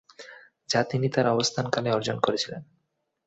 যা তিনি তার অবস্থানকালে অর্জন করেছিলেন।